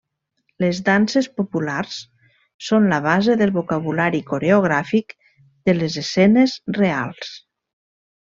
Les danses populars són la base del vocabulari coreogràfic de les escenes reals.